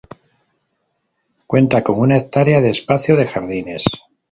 Cuenta con una hectárea de espacio de jardines.